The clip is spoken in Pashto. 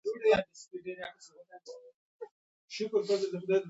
دومره هڅه وکړه چي خلک په لیوني درته ووایي.